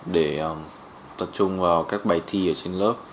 để tập trung vào các bài thi ở trên lớp